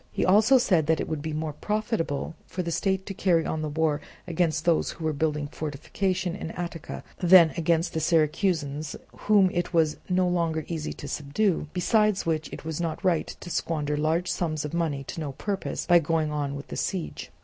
He also said that it would be more profitable for the state to carry on the war against those who were building fortifications in Attica, than against the Syracusans whom it was no longer easy to subdue; besides which it was not right to squander large sums of money to no purpose by going on with the siege.